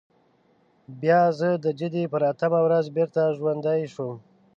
بیا زه د جدي پر اتمه ورځ بېرته ژوندی شوم.